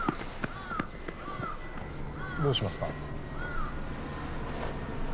どうしますか？